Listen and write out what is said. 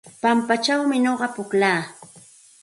Pampachawmi nuqa pukllaa.